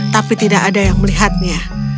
tapi tidak ada yang melihatnya